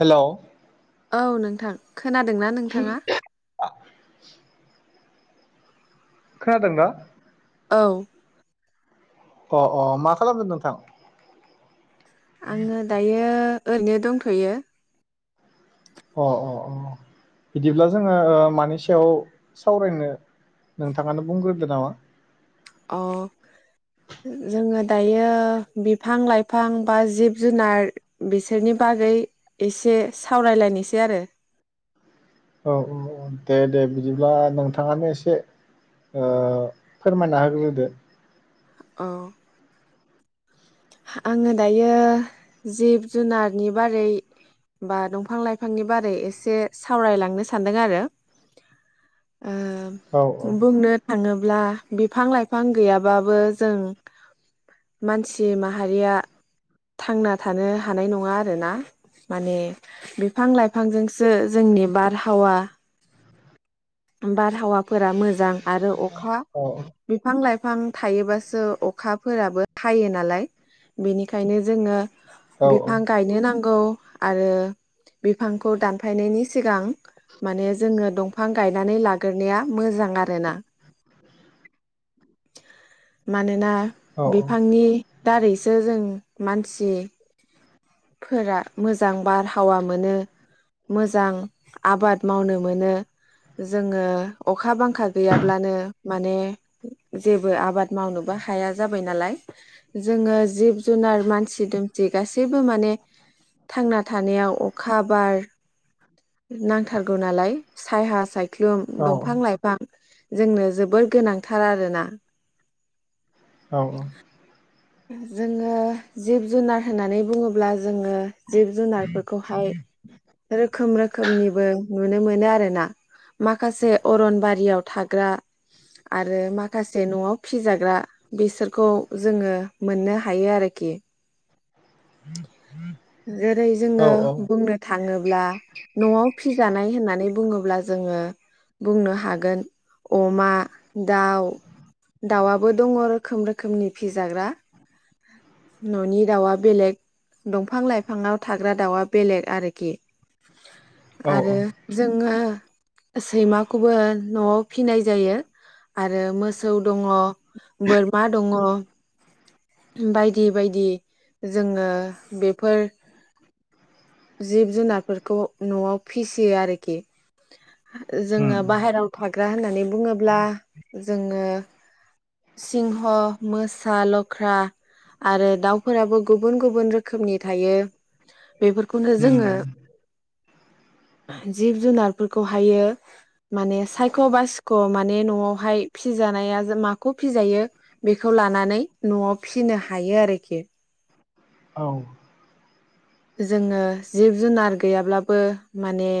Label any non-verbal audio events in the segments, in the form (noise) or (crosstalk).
हेल'। औ नोंथां। खोनादोंना नोंथाङा। अआ। खोनादों दा। औ। अ अ मा खालामदों नोंथां? आङो दायो। ओरैनो दंथ'यो। अ अ अ बिदिब्ला जोङो ओ मानि सायाव सावरायनो नोंथाङानो बुंग्रोदो नामा? अ जोङो दायो बिफां लाइफां बा जिब जुनार बिसोरनि बागै एसे सावरायलायनोसै आरो। औ औ दे दे बिदिब्ला नोंथाङानो एसे ओ फोरमायना होग्रोदो। औ। आङो दायो जिब जुनारनि बारै बा दंफां लाइफांनि बारै एसे सावरायलांनो सानदों आरो। ओ औ बुंनो थाङो। अब्ला बिफां लाइफां गैयाबाबो जों। मानसि माहारिया थांना थानो हानाय नङा आरोना माने बिफां लाइफां। फांजोंसो जोंनि बार हाववा बारहावाफोरा मोजां आरो अखा बिफां लाइफां बिफां थायोबासो अखाफोराबो हायो नालाय बेनिखायनो जोंङो औ बिफां गायनो नांगौ। आरो बिफांखौ दानफायनायनि सिगां माने जोंङो दंफां गायनानै लागोरनाया मोजां आरोना। मानोना बिफांनि दारैसो जों मानसि फोरा मोजां बारहावा मोनो मोजां आबाद मावनो मोनो जोंङो अखा बांखा गैयाब्लानो माने जेबो आबाद मावनोबो हाया जाबाय नालाय। जोंङो जिब जुनार मानसि दुमसि गासिब माने थांना थानायाव अखा बार नांथारगौ नालाय सायहा सायख ख्लुम औ दंफां लाइफां जोंनो जोबोर गोनांथार आरोना। औ औ जोंङो जिब जुनार होननानै बुंङोब्ला जोंङो जिब जुनारफोरखौहाय रोखोम रोखोमनिबो नुनो मोनो आरोना। माखासे अरनबारियाव थाग्रा आरो माखासे न'आव फिजाग्रा बिसोरखौ जोंङो मोननो हायो आरोखि। (inaudible) जेरै औ जोंङो औ बुंनो थाङोब्ला न'आव फिजानाय होननानै बुंङोब्ला जोंङो बुंनो हागोन अमा दाव दावआबो दंङ रोखोम रोखोमनि फिजाग्रा। न'नि दावआ बेलेग दंफां लाइफांङाव थाग्रा दावआ बेलेग आरोखि। औ आरो जोंङो सैमाखौबो न'आव फिनाय जायो आरो मोसौ दंङ। बोरमा दंङ। बायदि बायदि जोंङो बेफोर जिब जुनारफोरखौ न'आव फिसियो आरोखि। ओ उम जोंङो बाहेरायाव थाग्रा होननानै बुंङोब्ला जोंङो सिंह, मोसा, लख्रा आरो दाव फोराबो गुबुन गुबुन रोखोमनि थायो। खौगौ उम जोंङो जिब जुनारफोरखौ हायो माने सायख' बासिख' माने न'आवहाय फिजानाया जे माखौ फिजायो बेखौ लानानै न'आव फिनो हायो आरोखि। औ जोंङो जिब जुनार गैयाब्लाबो माने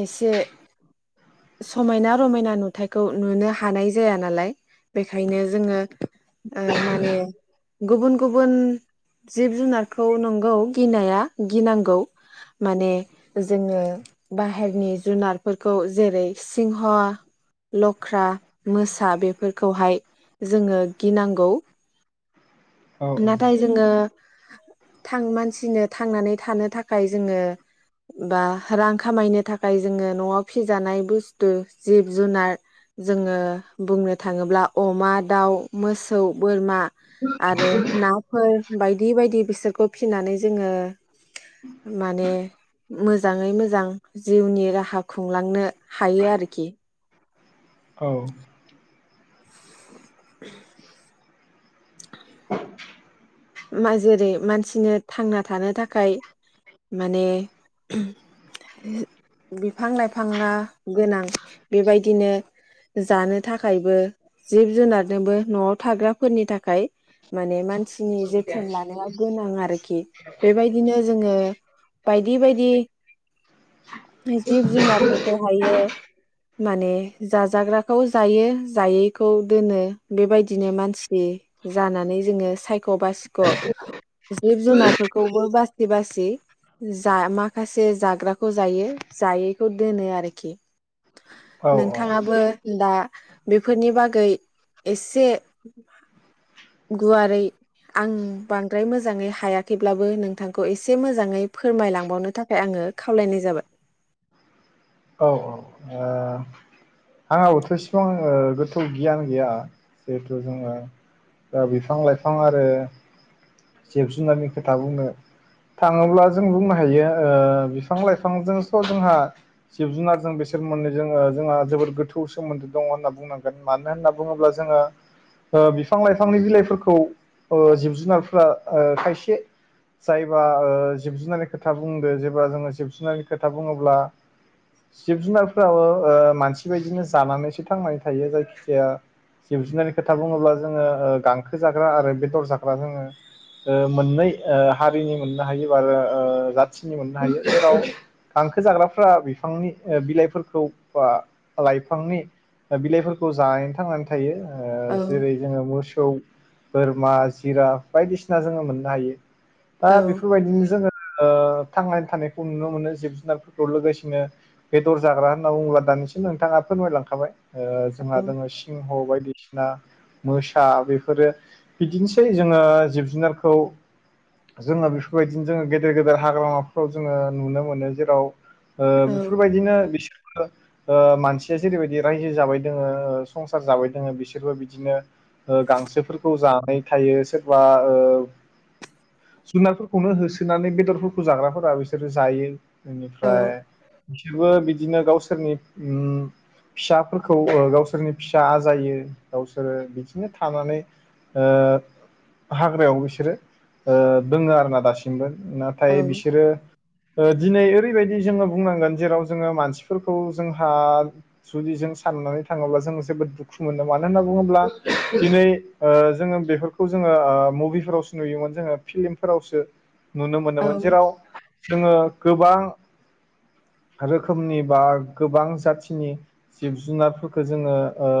एसे समायना रमायना नुथायखौ नुनो हानाय जाया नालाय बेखायनो जोंङो ओ माने गुबुन गुबुन जिब जुनारखौ नंगौ गिनाया गिनांगौ माने जोङो बाहेरनि जुनारफोरखौ जेरै सिंह लख्रा मोसा बेफोरखौहाय जोङो गिनांगौ औ नाथाय जोङो थां मानसिनो थांनानै थानो थाखाय जोङो बा रां खामायनो थाखाय जोङो न'आव फिजानाय बुस्थु जिब जुनार जोङो बुंनो थाङोब्ला अमा दाउ मोसौ बोरमा आरो नाफोर बायदि बायदि बिसोरखौ फिनानै जोङो माने मोजाङै मोजां जिउनि राहा खुंलांनो हायो आरोखि औ (unintelligible) (unintelligible) मा जेरै मानसिनो थांना थानो थाखाय माने बिफां लाइफाङा गोनां बेबायदिनो जानो थाखायबो जिब जुनारनोबो न'आव थाग्राफोरनि थाखाय माने मानसि नि जोथोन लानाया गोनां आं आरोखि बेबायदिनो जोङो बायदि बायदि जिब जुनारफोरखौ हायो माने जाजाग्राखौ जायो जायैखौ दोनो बेबायदिनो मानसि जानानै जोङो सायख सिख' बासिख' जिब जुनारफोरखौबो बासि बासि जा माखासे जाग्राखौ जायो जायैखौ दोनो आरोखि औ औ ओ नोंथाङाबो दा बेफोरनि बागै एसे गुवारै आं बांद्राय मोजाङै हायाखैब्लाबो नोंथांखौ एसे मोजाङै फोरमायलांबावनो थाखाय आङो खावलायनाय जाबाय आङाबोथ' इसेबां ओ गोथौ गियान गैया जिहेथु जोङो द बिफां लाइफां आरो जिब जुनारनि खोथा बुंनो थाङोब्ला जों बुंनो हायो ओ बिफां लाइफांजोंस' जोंहा जिब जुनारजों बेसर मोननै ज ओ जोंहा जोबोद गोथौ सोमोन्दो दङ होनना बुंनांगोन मानो होनना बुङोब्ला जोङो ओ बिफां लाइफांनि बिलाइफोरखौ ओ जिब जुनारफोरा ओ खायसे जायबा ओ जिब जुनारनि खोथा बुंदो जेबा जोङो जिब जुनारनि खोथा बुङोब्ला जिब जुनारफ्राबो ओ मानसि बेबायदिनो जानानैसो थांनानै थायो जायखि जाया जिब जुनारनि खोथा बुङोब्ला जोङो ओ गांखो जाग्रा आरो बेदर जाग्रा जोङो ओ मोननै ओ हारिनि मोननो हायो बा आरो ओ जाथिनि मोननो हायो जेराव गांखो जाग्राफ बिफांनि बिलाइफोरखौ बा लाइफांनि बिलाइफोरखौ जानानै थांनानै थायो ओ औ जेरै जोङो मोसौ बोरमा जिरा बायदिसिना जोङो मोननो हायो दा औ बेफोरबायदिनो जोङो ओ थांनानै थानायखौ नुनो मोनो जिब जुनारफोरखौ लोगोसेनो बेदर जाग्रा होनना बुङोब्ला दानि जि नोंथाङा फोरमायलांखाबाय ओ औ जोंहा दोङो सिंह बायदिसिना मोसा बेफोरो बिदिनोसै जोङो जिब जुनारखौ जोङो बेफोरबायदिनो जोङो गेदेर गेदेर हाग्रामाफ्राव जोङो नुनो मोनो जेराव ओ औ बेफोरबायदिनो बिसोरबो ओ मानसिया जेरैबायदि रायजो जाबाय दोङ संसार जाबाय दोङो बिसोरबो बिदिनो ओ गांसोफोरखौ जानाय थायो सोरबा ओ जुनारफोरखौनो होसोनानै बेदरफोरखौ जाग्राफोरा बिसोरो जायो औ बेनिफ्राय बिसोरबो बिदिनो गावसोरनि उ फिसाफोरखौ ओ गावसोरनि फिसा आजायो गावसोरो बिदिनो थानानै ओ हाग्रायाव बिसोरो ओ दोंङो आरो ना दासिमबो नाथाय बिसोरो ओ दिनै ओरैबायदि जोङो बुंनांगोन जेराव जोङो मानसिफोरखौ जोंहा जुदि जों साननानै थाङोब्ला जों जोबोद दुखु मोनो मानो होनना बुङोब्ला दिनै ओ जोङो बेफोरखौ जोङो ओ मुभिफोरावसो नुयोमोन जोङो फिलमफोरावसो नुनो औ मोनोमोन जेराव जोङो गोबां रोखोमनि बा गोबां जाथिनि जिब जुनारफोरखौ जोङो ओ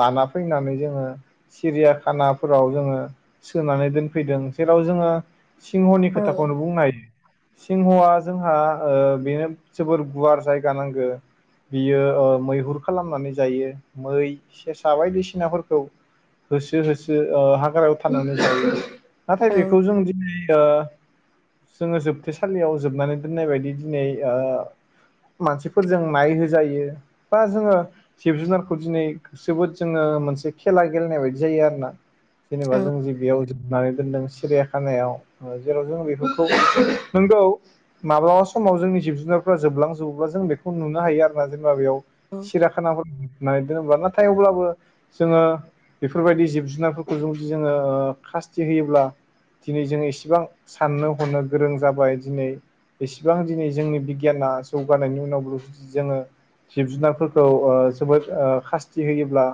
लाना फैनानै जोङो सिरियाखानाफोराव जोङो सोनानै दोनफैदों जेराव जोङो सिंहनि खोथाखौनो बुंनो हायो सिंहआ जोंहा ओ बेनो जोबोर गुवार जायगा नांगो‌ बियो ओ मैहुर खालामनानै जायो मै सेसा बायदिसिनाफोरखौ होसो होसो ओ हाग्रायाव थानानै जायो नाथाय औ बेखौ जों दिनै ओ जोङो जोबथेसालियाव जोबनानै दोननाय बायदि दिनै ओ मानसिफोरजों नाय होजायो बा जोङो जिब जुनारखौ दिनै जोबोद जोङो मोनसे खेला गेलेनाय बायदि जायो आरो ना। जेनेबा औ जों जे बेयाव जोबनानै दोनदों। सिरिया खानायाव जेराव जों बेफोरखौ नोंगौ माब्लाबा समाव जोंनि जिब जुनारफ्रा जोबलांजोबोब्ला जों बे खौ नुनो हायो आरो ना जेने माब बेयाव सिराखानाफोर नायदों (unintelligible) थाय अब्लाबो जोङो बेफोरबायदि जिब-जुनारफोरखौ जों जोङो खासथि होयोब्ला दिनै जोङ इसेबां साननो हनो गोरों जाबाय दिनै एसेबां दिनै जोंनि बिगियाना जौगानायनि उनावबो जोङो जिब-जुनारफोरखौ ओ जोबोद ओ खास्ति होयोब्ला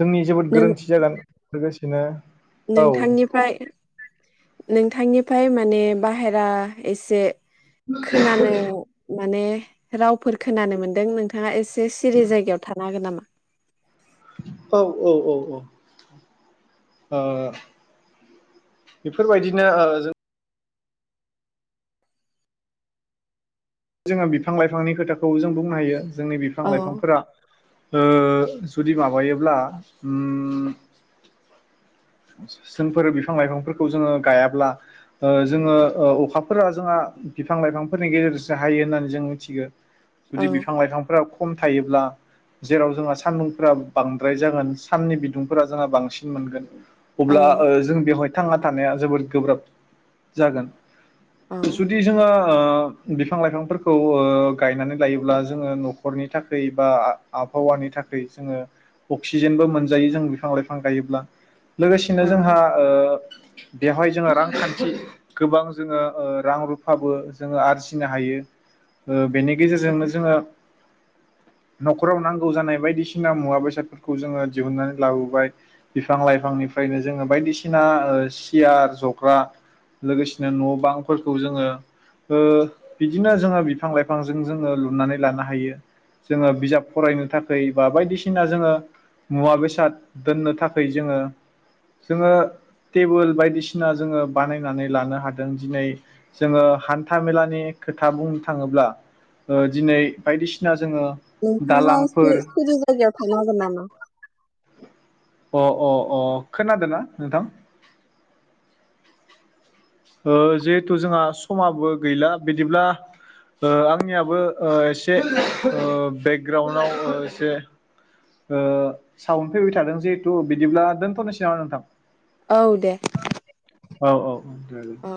जोंनि जोबोद नों गोरोन्थि जागोन लोगोसे दिनो नोंथांनिफ्राय नोंथांनि फाय माने बाहेरा एसे खोनानो माने रावफोर खोनानो मोन्दों नोंथाङा ए सिरि जायगायाव थानो हागोन नामा। औ औ औ औ ओ बेफोरबायदिनो ओ जों जोङो बिफां-लाइफांनि खोथाखौ जों बुंनो हायो। जोंनि बिफां औ लाइफांफोरा ओ जुदि माबायोब्ला उम जोंफोर बिफां लाइफांफोरखौ जोङो गायाब्ला ओ जोङो ओ अखाफोरा जोङा बिफां लाइफांफोरनि गेजेरजोसो हायो होननानै जों मिथिगो। जुदि औ बिफां लाइफांफ्रा खम थायोब्ला जेराव जोंहा सान्दुंफोरा बांद्राय जागोन साननि बिदुंफोरा जोंहा बांसिन मोनगोन। अब्ला औ ओ जों बेवहाय थांना थानाया जोबोद गोब्राब जागोन। औ जुदि जोङो ओ बिफां लाइफांफोरखौ ओ गायनानै लायोब्ला जोङो न'खरनि थाखै बा आबहावानि थाखै जोङो अक्सिजेनबो मोनजायो जों बिफां लाइफां गायोब्ला लोगोसेनो ओं जोंहा ओ बेवहाय जोङा रांखान्थि गोबां जोङो ओ रां रुफाबो जोङो आरजिनो हायो ओ बेनि गेजेरजोंनो जोङो न'खराव नांगौ जानाय बायदिसिना मुवा बेसादफोरखौ जोङो दिहुनन्नानै लाबोबाय बिफां लाइफांनि खायनो जोङो बायदिसिना ओ सियार जग्रा लोगोसेनो न' बांफोरखौ जोङो ओ बिदिनो जोङो बिफां लाइफांजों जोङो लुनानै लानो हायो जोङो बिजाब फरायनो थाखै बा बायदिसिना जोङो मुवा बेसाद दोननो थाखै जोङो जोङो टेबोल बायदिसिना जोङो बानायनानै लानो हादों दिनै जोङो हान्था मेलानि खोथा बुंनो थाङोब्ला ओ दिनै बायदिसिना जोङो नोंथाङा दालांफोर सिरि सिरि जायगायाव थानो हागोन नामा अ अ अ खोनादो ना नोंथां ओ जिहेथु जोंहा समाबो गैला बिदिब्ला ओ आंनियाबो ओ एसे बेकग्राउन्डआव एसे ओ साउन फैबाय थादों जिहेथु बिदिब्ला दोनथ'नोसै नामा नोंथां औ दे औ औ (unintelligible) औ